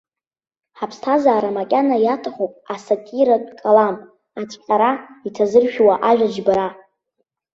Ҳаԥсҭазаара макьана иаҭахуп асатиратә калам, ацәҟьара иҭазыршәуа ажәа џьбара.